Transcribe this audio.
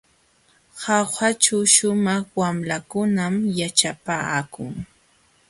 Jaujaćhu shumaq wamlakunam yaćhapaakun.